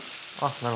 なるほど。